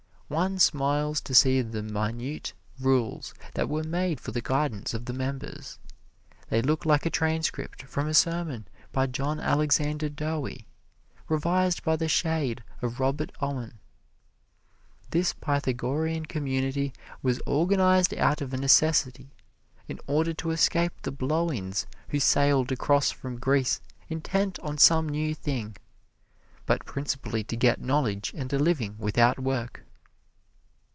One smiles to see the minute rules that were made for the guidance of the members. They look like a transcript from a sermon by John Alexander Dowie, revised by the shade of Robert Owen. This Pythagorean Community was organized out of a necessity in order to escape the blow ins who sailed across from Greece intent on some new thing, but principally to get knowledge and a living without work.